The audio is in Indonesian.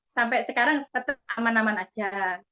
sampai sekarang tetap aman aman aja